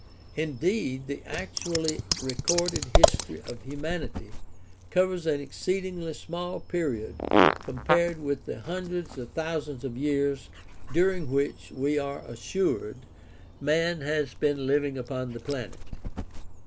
Indeed, the actually recorded history of humanity covers an exceedingly small period compared with the hundreds of thousands of years during which, we are assured, man has been living upon the planet.